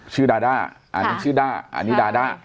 ดาด้าอันนี้ชื่อด้าอันนี้ดาด้า